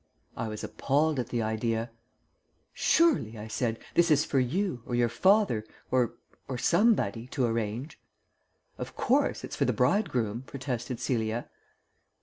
I was appalled at the idea. "Surely," I said, "this is for you, or your father, or or somebody to arrange." "Of course it's for the bridegroom," protested Celia.